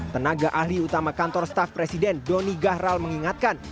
tenaga ahli utama kantor staff presiden doni gahral mengingatkan